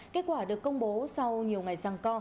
kết quả được công bố sau nhiều ngày răng co